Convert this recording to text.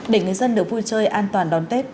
để người dân được vui chơi an toàn đón tết